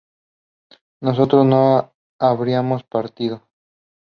nosotros no habríamos partido